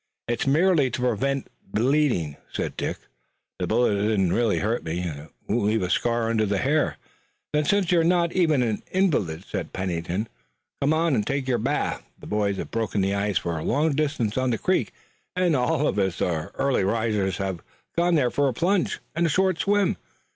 "It's merely to prevent bleeding," said Dick. "The bullet didn't really hurt me, and it won't leave a scar under the hair." "Then since you're not even an invalid," said Pennington, "come on and take your bath. The boys have broken the ice for a long distance on the creek and all of us early risers have gone there for a plunge, and a short swim.